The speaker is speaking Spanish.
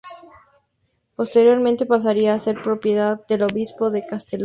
Posteriormente pasaría a ser propiedad del obispado de Castellón.